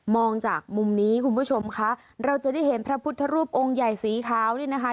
จากมุมนี้คุณผู้ชมคะเราจะได้เห็นพระพุทธรูปองค์ใหญ่สีขาวนี่นะคะ